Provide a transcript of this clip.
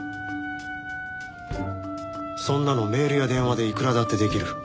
そんなのメールや電話でいくらだってできる。